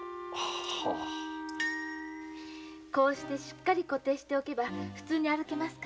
こうしてしっかり固定しておけば普通に歩けます。